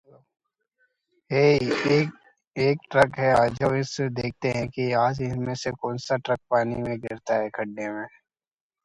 He attended Hymers College, Hull.